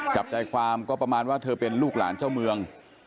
จับใจความก็ประมาณว่าเธอเป็นลูกหลานเจ้าเมือง